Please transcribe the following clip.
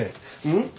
うん？